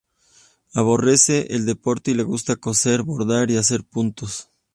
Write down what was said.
Aborrece el deporte y le gusta coser, bordar y hacer punto.